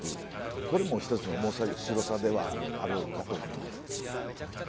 これも一つの面白さではあろうかと思います。